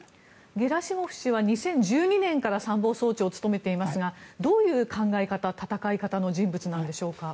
ゲラシモフ氏は２０１２年から参謀総長を務めていますがどういう考え方、戦い方の人物なんでしょうか。